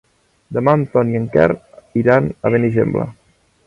Demà en Ton i en Quer iran a Benigembla.